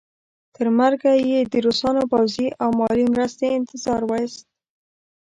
تر مرګه یې د روسانو پوځي او مالي مرستې انتظار وایست.